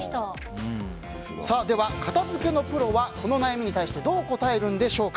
では、片付けのプロはこの悩みに対してどう答えるでしょうか。